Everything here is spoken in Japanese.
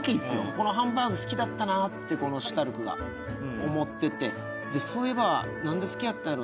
このハンバーグ好きだったなってこのシュタルクが思ってて、そういえば、なんで好きやったんやろ？